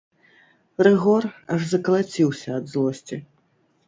Рыгор аж закалаціўся ад злосці.